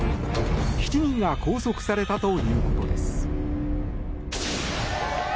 ７人が拘束されたということです。